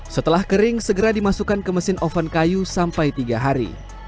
setelah kering segera dimasukkan ke mesin oven kayu sampai tiga hari